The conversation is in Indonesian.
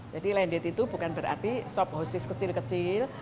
jadi landed itu bukan berarti sob hosis kecil kecil